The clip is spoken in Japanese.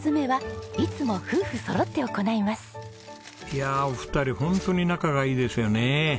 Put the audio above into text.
いやお二人ホントに仲がいいですよね。